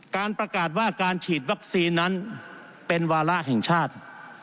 การประกาศว่าการฉีดวัคซีนนั้นเป็นวาระแห่งชาติ